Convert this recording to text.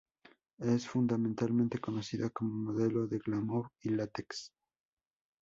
Es fundamentalmente conocida como modelo de glamour y látex.